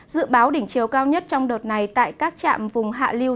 dự báo đỉnh chiều cao nhất trong đợt này tại các trạm vùng hạ liêu